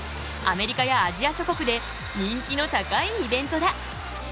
アメリカやアジア諸国で人気の高いイベントだ。